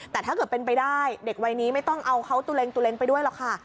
แต่ถ้าเกิดเป็นไปได้เด็กวัยนี้ไม่ต้องเอาเขาตัวเองไปด้วยหรอกค่ะ